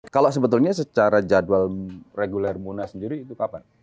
kalau sebetulnya secara jadwal reguler muna sendiri itu kapan